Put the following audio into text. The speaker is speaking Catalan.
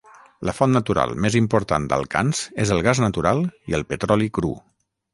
La font natural més important d'alcans és el gas natural i el petroli cru.